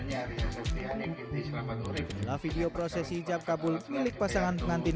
hai kakaknya ria septiani kritis rapat oleh video proses hijab kabul milik pasangan pengantin